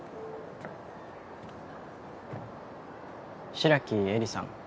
白木絵里さん？